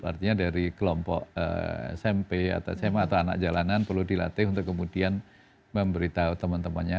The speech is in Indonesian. artinya dari kelompok smp atau sma atau anak jalanan perlu dilatih untuk kemudian memberitahu teman temannya